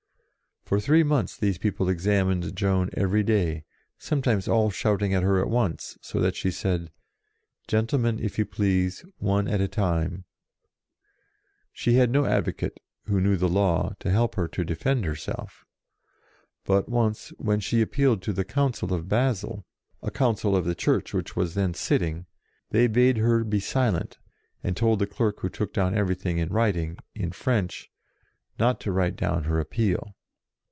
For three months these people examined Joan every day, sometimes all shouting at her at once, so that she said, " Gentlemen, if you please, one at a time," She had no advocate, who knew the law, to help her to defend herself. But once, when she appealed to the Council of Basle, a Council of the Church which was then sitting, they bade her be silent, and told the clerk who took down everything in writing, in French, not to write down her appeal.